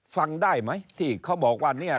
ฟังได้ไหมที่เขาบอกว่าเนี่ย